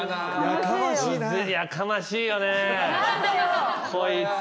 やかましいよね。